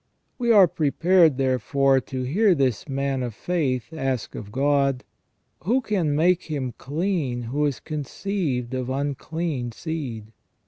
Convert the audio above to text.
We are prepared, therefore, to hear this man of faith ask of God :" Who can make him clean who is conceived of unclean seed